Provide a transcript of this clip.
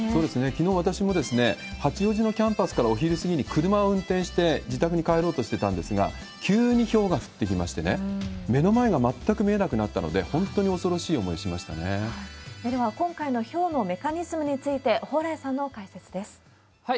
きのう私も八王子のキャンパスからお昼過ぎに車を運転して、自宅に帰ろうとしてたんですが、急にひょうが降ってきましてね、目の前が全く見えなくなったので、では、今回のひょうのメカニズムについて、蓬莱さんの解説です。